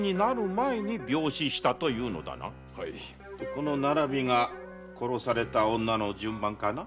この並びが殺された順番かな？